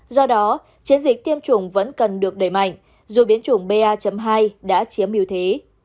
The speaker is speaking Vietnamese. do đó chiến dịch tiêm chủng vẫn cần được đẩy mạnh dù biến chủng ba hai đã chiếm ưu thế